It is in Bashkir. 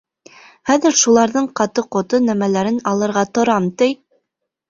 Хәҙер шуларҙың ҡаты-ҡото нәмәләрен алырға торам, ти!